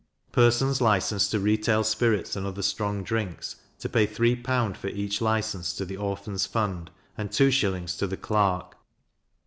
Persons licensed to retail spirits and other strong drinks, to pay 3L. for each license to the Orphans' fund, and 2s. to the clerk.